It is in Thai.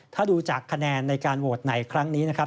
ถ้าดูจากคะแนนในการโหวตในครั้งนี้นะครับ